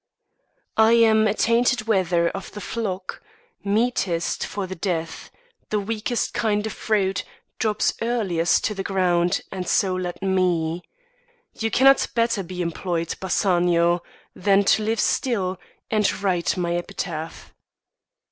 I am a tainted wether of the flock, Meetest for death; the weakest kind of fruit Drops earliest to the ground, and so let me. You cannot better be employ'd, Bassanio, Than to live still, and write my epitaph.